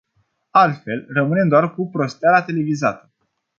Altfel, rămânem doar cu prosteala televizată.